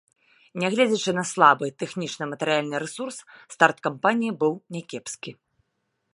Нягледзячы на слабы тэхнічна-матэрыяльны рэсурс, старт кампаніі быў някепскі.